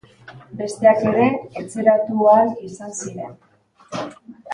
Besteak ere etxeratu ahal izan ziren.